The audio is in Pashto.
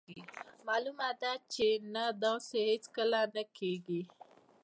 مالومه ده چې نه داسې هیڅکله نه کیږي.